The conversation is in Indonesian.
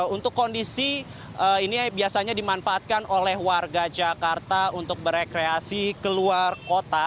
untuk kondisi ini biasanya dimanfaatkan oleh warga jakarta untuk berekreasi ke luar kota